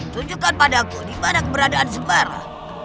tunjukkan padaku di mana keberadaan sembara